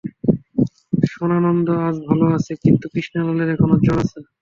সদানন্দ আজ ভাল আছে, কিন্তু কৃষ্ণলালের এখনও জ্বর আছে।